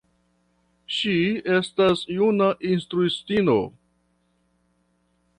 Ŝi estas juna instruistino.